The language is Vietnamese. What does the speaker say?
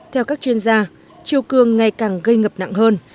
theo các chuyên gia chiều cường ngày càng gây ngập nặng hơn